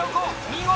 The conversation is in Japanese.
見事。